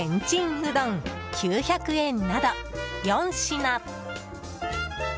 うどん９００円など４品。